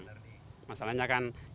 masalahnya kan yang diperlukan adalah pupuk